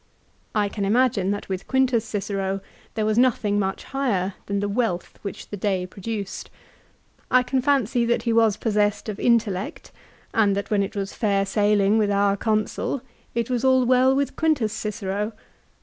I can imagine that with Quintus Cicero there was nothing much higher than the wealth which the day produced. I can fancy that he was possessed of intellect, and that when it was fair sailing with our Consul, it was all well with Quintus Cicero.